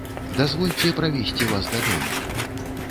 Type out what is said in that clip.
Дазвольце правесці вас дадому.